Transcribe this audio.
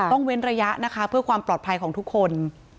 เว้นระยะนะคะเพื่อความปลอดภัยของทุกคน